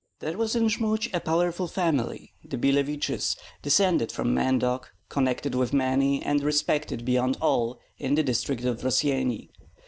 There was in Jmud a powerful family, the Billeviches, descended from Mendog, connected with many, and respected, beyond all, in the district of Rossyeni.